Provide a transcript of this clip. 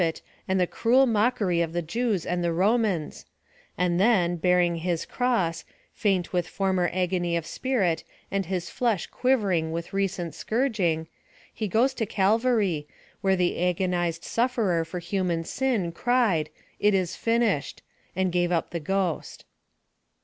et, and the cruel mockery of the .Tews and the Romans — and then, bearing his cross, faint with former agony of spirit, and his flesh quivering with recent scourging, he goes to Calvary, where the agonized sufl^erer for human shi, cried " it is finished," and gave up the ghost.